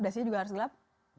dasinya juga harus gelap